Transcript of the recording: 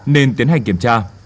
nên tiến hành kiểm tra